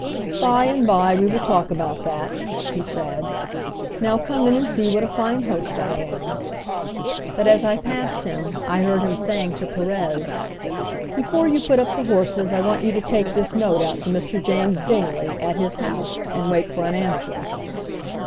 "By, and by we will talk about that," he said. "Now, come in and see what a fine host I am." But as I passed him, I heard him saying to Perez, "Before you put up the horses I want you to take this note out to Mr. James Dingley, at his house, and wait for an answer."